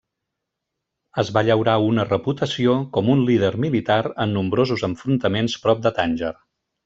Es va llaurar una reputació com un líder militar en nombrosos enfrontaments prop de Tànger.